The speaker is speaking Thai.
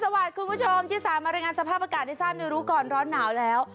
สวัสดีคุณผู้ชมชิคกี้พายมารายงานสภาพอากาศในสร้างเรือรู้ก่อนร้อนหนาวแล้ว